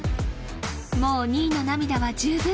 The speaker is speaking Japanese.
もう２位の涙は十分。